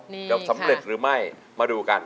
จะสำเร็จหรือไม่มาดูกัน